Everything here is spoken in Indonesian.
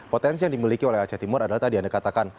potensi yang dimiliki oleh aceh timur adalah tadi anda katakan